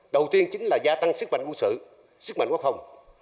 đầu tiên chính là gia tăng sức mạnh quân sự sức mạnh quốc phòng